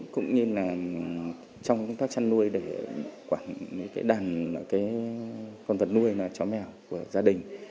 cũng như là trong công tác chăn nuôi để quản lý đàn con vật nuôi chó mèo của gia đình